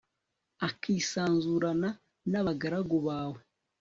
akisanzurana n'abagaragu bawe